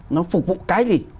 nó phục vụ cái gì